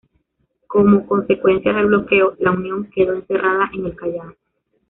Como consecuencia del bloqueo, la "Unión" quedó encerrada en el Callao.